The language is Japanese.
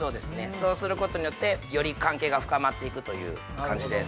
そうすることによってより関係が深まっていくという感じです